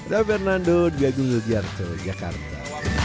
da fernando di agung lugarto jakarta